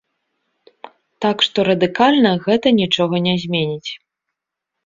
Так што, радыкальна гэта нічога не зменіць.